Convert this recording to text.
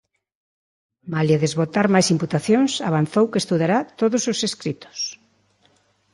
Malia desbotar máis imputacións, avanzou que estudará todos os escritos.